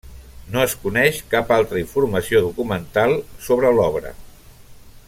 No es coneix cap altra informació documental sobre l'obra.